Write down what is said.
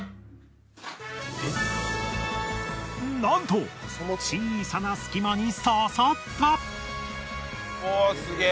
なんと小さな隙間に刺さった！